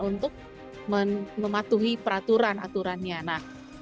untuk mematuhi peraturan aturannya